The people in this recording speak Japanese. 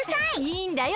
いいんだよ